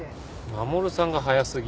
衛さんが早過ぎ。